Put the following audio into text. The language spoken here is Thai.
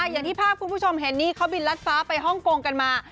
อย่างที่ภาพคุณผู้ชมเห็นนี่เขาบินรัดฟ้าไปฮ่องกงกันมา